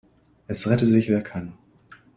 Es rette sich, wer kann.